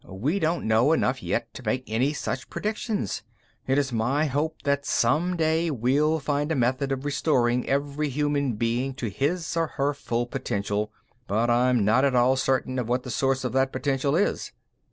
We don't know enough yet to make any such predictions. It is my hope that some day we'll find a method of restoring every human being to his or her full potential but I'm not at all certain of what the source of that potential is.